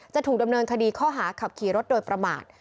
จะถูกดำเนินคดีข้อหาขับขี่รถโดยประมาท